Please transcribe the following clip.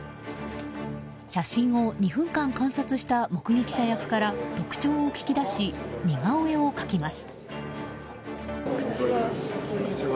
写真を２分間観察した目撃者役から特徴を聞き出し似顔絵を描きます。